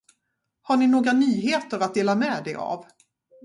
Har ni några nyheter att dela med er av?